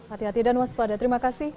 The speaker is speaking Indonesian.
hati hati dan waspada terima kasih